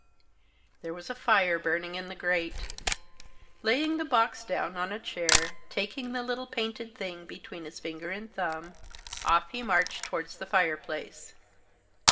There was a fire burning in the grate. Laying the box down on a chair, taking the little painted thing between his finger and thumb, off he marched towards the fireplace.